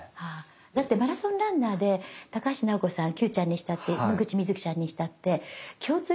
だってマラソンランナーで高橋尚子さんＱちゃんにしたって野口みずきちゃんにしたって共通してるのは胃が強いもん。